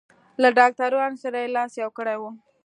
له ډاکټرانو سره یې لاس یو کړی و.